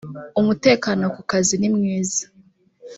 umutekano ku kazi nimwiza